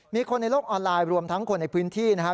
มีคนในโลกออนไลน์รวมทั้งคนในพื้นที่นะครับ